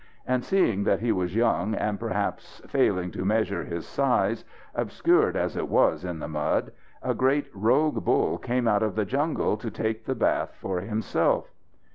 And seeing that he was young, and perhaps failing to measure his size, obscured as it was in the mud, a great "rogue" bull came out of the jungles to take the bath for himself.